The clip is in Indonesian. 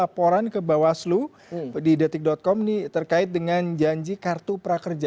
ada laporan ke bapak waslu di detik com ini terkait dengan janji kartu prakerja